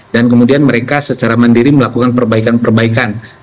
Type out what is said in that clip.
dan kemudian mereka secara mandiri melakukan perbaikan perbaikan